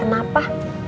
emangnya t kenapa